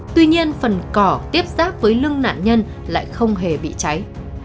tuy nhiên phần cỏ tiếp xác với lưng nạn nhân lại không hề bị cháy